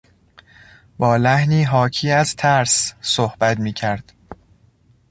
با لحنی حاکی از ترس صحبت میکرد.